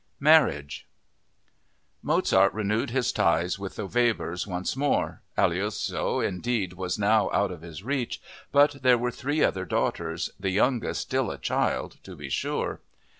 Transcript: Marriage Mozart renewed his ties with the Webers once more. Aloysia, indeed, was now out of his reach, but there were three other daughters, the youngest still a child, to be sure.